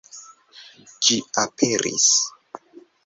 Ĝi aperis!